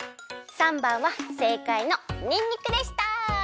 ３ばんはせいかいのにんにくでした！